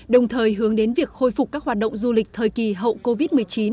đồng thời hướng đến việc khôi phục các hoạt động du lịch thời kỳ hậu covid một mươi chín